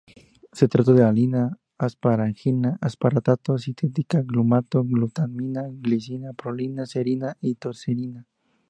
Se trata de: alanina, asparagina, aspartato, cisteína, glutamato, glutamina, glicina, prolina, serina y tirosina.